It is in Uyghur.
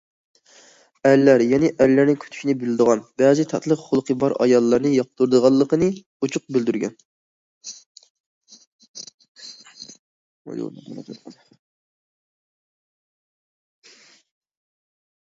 ئەرلەر يەنە ئەرلەرنى كۈتۈشنى بىلىدىغان، بەزى تاتلىق خۇلقى بار ئاياللارنى ياقتۇرىدىغانلىقىنى ئوچۇق بىلدۈرگەن.